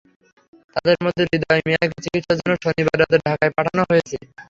তাদের মধ্যে হৃদয় মিয়াকে চিকিৎসার জন্য শনিবার রাতে ঢাকায় পাঠানো হয়েছে।